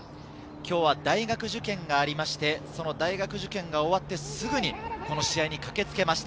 今日は大学受験がありまして、大学受験が終わってすぐに、この試合に駆けつけました。